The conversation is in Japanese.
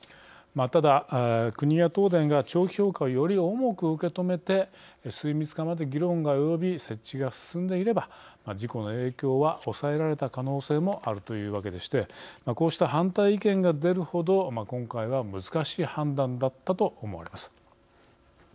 ただ、国や東電が長期評価をより重く受け止めて水密化まで議論が及び設置が進んでいれば事故の影響は抑えられた可能性もあるというわけでしてこうした反対意見が出るほど今回は難しい判断だったと思われます。